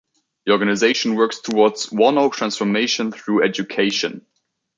The organisation works towards 'whanau transformation through education'.